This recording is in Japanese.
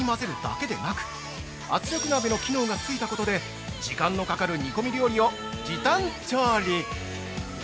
鍋底の羽でかき混ぜるだけではなく、圧力鍋の機能がついたことで、時間のかかる煮込み料理を時短調理！